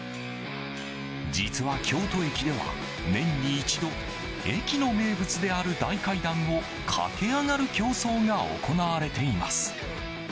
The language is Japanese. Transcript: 実は、京都駅では年に一度駅の名物である大階段を駆け上がる競争が行われています。